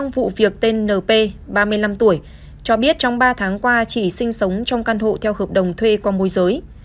vụ việc tên np ba mươi năm tuổi cho biết trong ba tháng qua chỉ sinh sống trong căn hộ theo hợp đồng thuê qua môi giới